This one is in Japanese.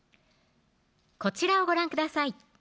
こちらをご覧ください